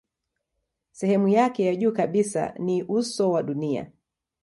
Sehemu yake ya juu kabisa ni uso wa dunia.